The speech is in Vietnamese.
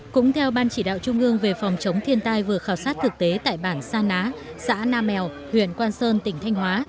cũng theo ban chỉ đạo trung ương về phòng chống thiên tai vừa khảo sát thực tế tại bản sa ná xã nam mèo huyện quang sơn tỉnh thanh hóa